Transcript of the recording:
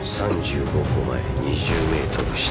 ３５歩前２０ｍ下。